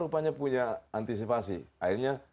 rupanya punya antisipasi akhirnya